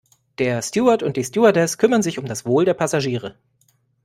Der Steward und die Stewardess kümmern sich um das Wohl der Passagiere.